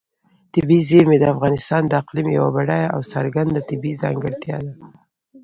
طبیعي زیرمې د افغانستان د اقلیم یوه بډایه او څرګنده طبیعي ځانګړتیا ده.